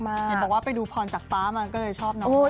อย่าบอกว่าไปดูพรจากฟ้ามาก็เลยชอบน้องนาย